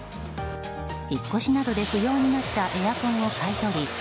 引っ越しなどで不要になったエアコンを買い取り